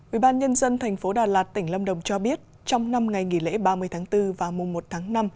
ubnd tp đà lạt tỉnh lâm đồng cho biết trong năm ngày nghỉ lễ ba mươi tháng bốn và mùa một tháng năm